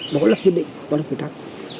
đó là kiên định đó là quy tắc